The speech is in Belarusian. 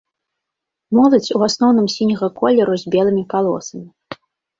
Моладзь у асноўным сіняга колеру з белымі палосамі.